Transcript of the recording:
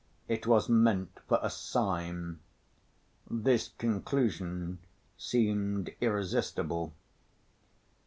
It was meant for a sign. This conclusion seemed irresistible.